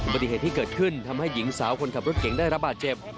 ปฏิเหตุที่เกิดขึ้นทำให้หญิงสาวคนขับรถเก่งได้รับบาดเจ็บ